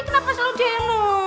kenapa selalu denger